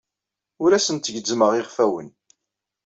Ur asent-gezzmeɣ iɣfawen.